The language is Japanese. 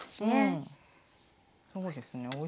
そうですね